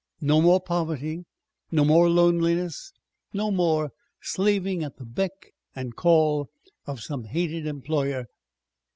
No more poverty, no more loneliness, no more slaving at the beck and call of some hated employer.